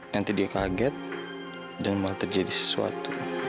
nanti dia kaget dan malah terjadi sesuatu